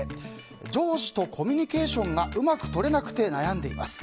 上司とコミュニケーションがうまく取れなくて悩んでいます。